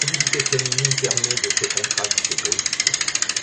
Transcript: La mobilité féminine permet de ces contrastes brusques.